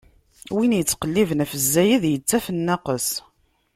Win ittqelliben ɣef zzayed, ittaf nnaqes.